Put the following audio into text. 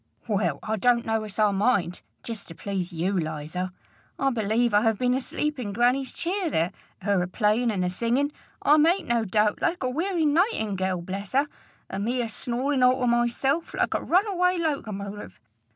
"Well, I don't know as I mind jest to please you, Liza. I believe I ha' been asleep in grannie's cheer there, her a playin' an' a singin', I make no doubt, like a werry nightingerl, bless her, an' me a snorin' all to myself, like a runaway locomotive!